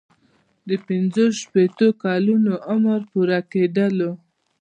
د پنځه شپیتو کلونو عمر پوره کیدل.